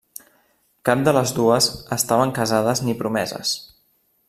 Cap de les dues estaven casades ni promeses.